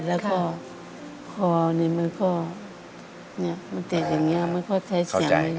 มันก็เจ็ดอย่างนี้มันก็ใช้เสียงไม่ได้